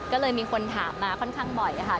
ก็เลยมีคนถามมาค่อนข้างบ่อยค่ะ